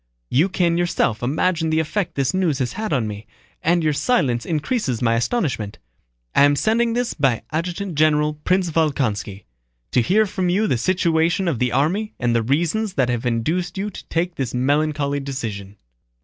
You can yourself imagine the effect this news has had on me, and your silence increases my astonishment. I am sending this by Adjutant General Prince Volkónski, to hear from you the situation of the army and the reasons that have induced you to take this melancholy decision.